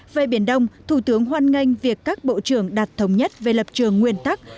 về biển đông thủ tướng hoan nghênh việc các bộ trưởng đặt thống nhất về lập trường nguyên tắc